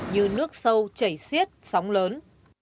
như nước sâu chảy xiết sóng lớn